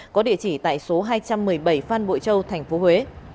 có địa chỉ tại số hai trăm một mươi bảy phan bội châu tp huế